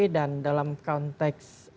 dan dalam konteks